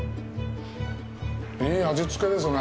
いい味付けですね。